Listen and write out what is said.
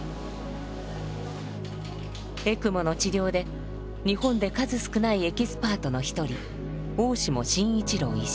エクモの治療で日本で数少ないエキスパートの一人大下慎一郎医師。